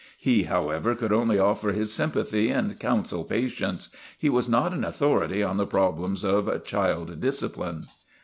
He, however, could only offer his sympathy and counsel patience ; he was not an authority on the problems of child discipline.